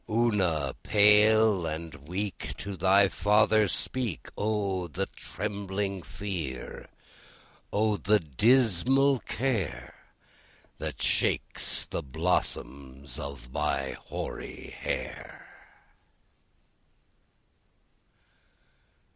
Ona, pale and weak, To thy father speak! O the trembling fear! O the dismal care That shakes the blossoms of my hoary hair!